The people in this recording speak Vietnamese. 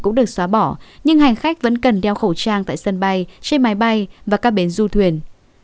cũng được xóa bỏ nhưng hành khách vẫn cần đeo khẩu trang tại sân bay trên máy bay và các bến du thuyền